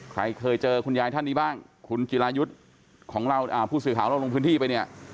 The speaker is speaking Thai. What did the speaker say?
ใครเคยเจอคุณยายท่านนี้บ้างคุณจิรายุทธ์ของเราผู้สื่อข่าวเราลงพื้นที่ไปเนี่ย